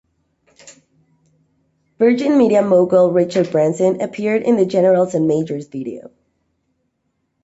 Virgin media mogul Richard Branson appeared in the "Generals and Majors" video.